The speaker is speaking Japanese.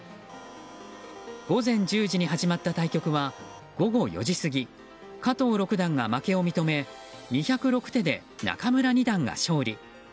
午前１０時に始まった対局は午後４時過ぎ加藤六段が負けを認め２０６手で仲邑二段が勝利。